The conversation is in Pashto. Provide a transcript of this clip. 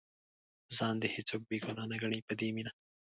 ځان دې هېڅوک بې ګناه نه ګڼي په دې مینه.